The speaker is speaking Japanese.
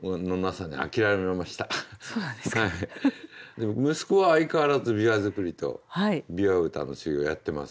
でも息子は相変わらず琵琶作りと琵琶歌の修業をやってます。